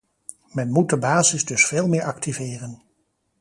Men moet de basis dus veel meer activeren.